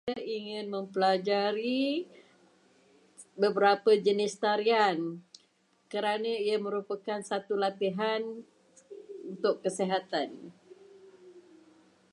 Saya ingin mempelajari beberapa jenis tarian kerana ia merupakan satu latihan untuk kesihatan.